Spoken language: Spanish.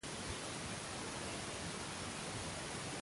Viaje preparado